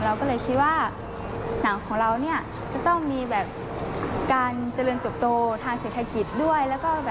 เราก็เลยคิดว่าหนังของเราเนี่ยจะต้องมีแบบการเจริญเติบโตทางเศรษฐกิจด้วย